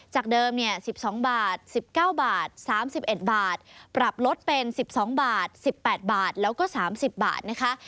จากเดิม๑๒บาท๑๙บาท๓๑บาทปรับลดเป็น๑๒บาท๑๘บาทแล้วก็๓๐บาทนะคะ